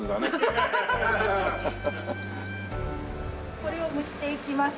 これを蒸していきます。